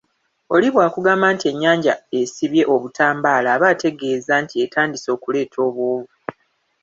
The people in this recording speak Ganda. Oli bw’akugamba nti ennyanja esibye obutambaala aba ategeeza nti etandise okuleeta obwovu.